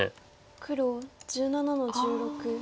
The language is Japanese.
黒１７の十六切り。